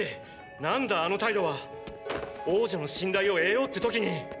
なんだあの態度は⁉王女の信頼を得ようって時に！！